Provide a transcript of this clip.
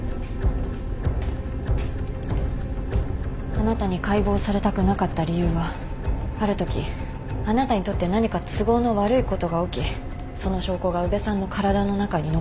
あなたに解剖されたくなかった理由はあるときあなたにとって何か都合の悪いことが起きその証拠が宇部さんの体の中に残ってしまった。